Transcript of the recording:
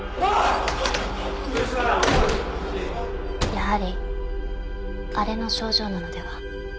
やはりあれの症状なのでは？